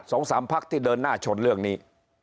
สองสามพักที่เดินหน้าชนเรื่องนี้